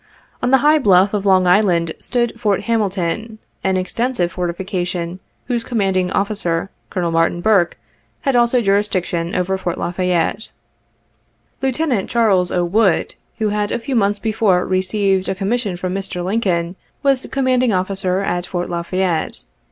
On the high bluff on Long Island stood Fort Hamilton, an extensive fortification, whose commanding officer, Col. Martin Burke, had also jurisdiction over Fort La Fayette. Lieut. Chas. 0. Wood, who had a few months before received a commission from Mr. Lincoln, was com manding officer at Fort La Fayette.